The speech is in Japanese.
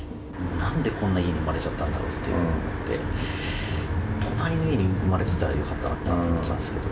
なんでこんな家に生まれちゃったんだろうとか思って、隣の家に生まれてたらよかったのにとかって思ってたんですけど。